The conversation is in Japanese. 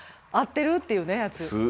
合ってる？っていうねやつ。